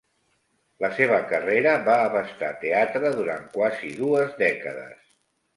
La seva carrera va abastar teatre durant quasi dues dècades.